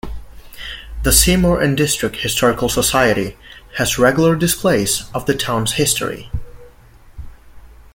The Seymour and District Historical Society, has regular displays of the Towns history.